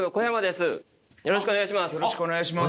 よろしくお願いします